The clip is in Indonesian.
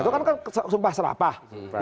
itu kan sumpah serapah